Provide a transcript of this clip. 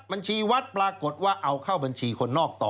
บัญชีวัดปรากฏว่าเอาเข้าบัญชีคนนอกต่อ